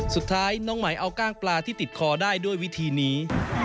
สุดท้ายน้องไหมเอาก้างปลาที่ติดคอได้ด้วยวิธีนี้